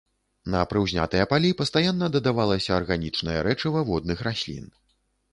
На прыўзнятыя палі пастаянна дадавалася арганічнае рэчыва водных раслін.